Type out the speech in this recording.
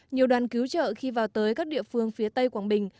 nhiều đoàn cứu trợ khi vào tới các địa phương phía tây quảng bình